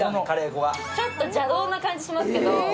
ちょっと邪道な感じがしますけど。